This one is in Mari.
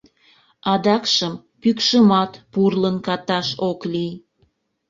Адакшым пӱкшымат пурлын каташ ок лий.